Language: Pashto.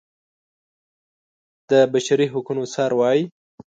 د بشري حقونو څار وايي.